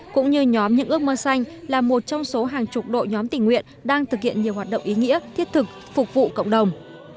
cũng như nhóm những ước mơ xanh là một trong số hàng chục đội nhóm tình nguyện đang thực hiện nhiều hoạt động ý nghĩa thiết thực phục vụ cộng đồng